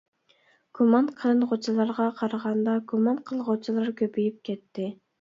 -گۇمان قىلىنغۇچىلارغا قارىغاندا، گۇمان قىلغۇچىلار كۆپىيىپ كەتتى.